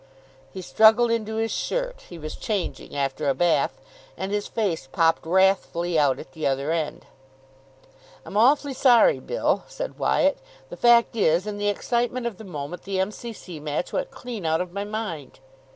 He struggled into his shirt he was changing after a bath and his face popped wrathfully out at the other end. "I'm awfully sorry, Bill," said Wyatt. "The fact is, in the excitement of the moment the M.C.C. match went clean out of my mind."